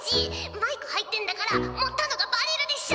マイク入ってんだから盛ったのがバレるでしょ！」。